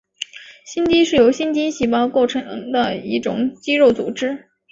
心肌是由心肌细胞构成的一种肌肉组织。